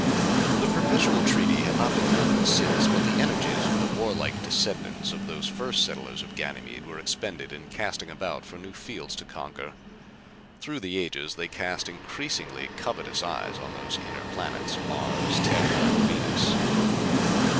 The perpetual treaty had not been broken since, but the energies of the warlike descendants of those first settlers of Ganymede were expended in casting about for new fields to conquer. Through the ages they cast increasingly covetous eyes on those inner planets, Mars, Terra and Venus.